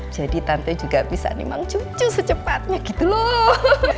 jadi tante juga bisa memang cucu secepatnya gitu loh